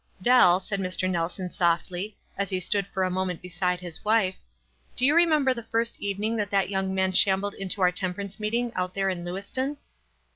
"Dell," said Mr. Nelson softly, as he stood for a moment beside his wne, "do you remem ber the first evening that that young man sham bled into our temperance meeting out there in Lewiston?"